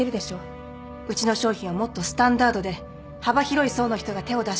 うちの商品はもっとスタンダードで幅広い層の人が手を出しやすい